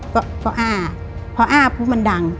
ก็อ้าพออ้าปี้มันดัง